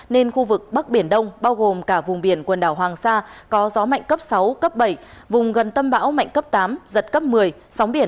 nên khu vực bắc biển đông bao gồm cả vùng biển quần đảo hoàng sa có gió mạnh cấp sáu cấp bảy vùng gần tâm bão mạnh cấp tám giật cấp một mươi sóng biển cao từ bốn đến sáu mét biển động mạnh